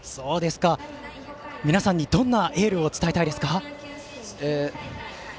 皆さんにどんなエールを伝えたいですか？